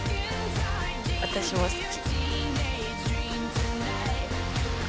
私も好き。